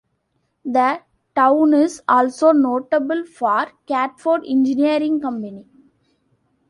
The town is also notable for Catford Engineering company.